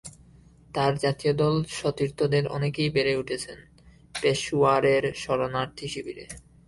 তাঁর জাতীয় দল সতীর্থদের অনেকেই বেড়ে উঠেছেন পেশোয়ারের শরণার্থীশিবিরে।